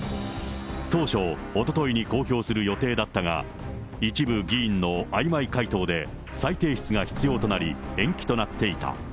当初、おとといに公表する予定だったが、一部議員のあいまい回答で、再提出が必要となり延期となっていた。